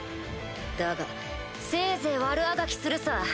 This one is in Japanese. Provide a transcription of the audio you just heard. だがせいぜい悪あがきするさ。